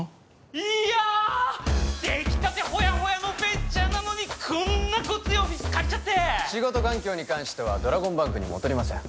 いや出来たてほやほやのベンチャーなのにこんなゴツいオフィス借りちゃって仕事環境に関してはドラゴンバンクにも劣りません